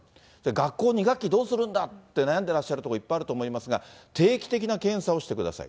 学校、２学期どうするんだと、悩んでらっしゃるところ、いっぱいあると思いますが、定期的な検査をしてください。